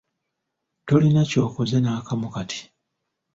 Tolina kyokoze nakamu kati.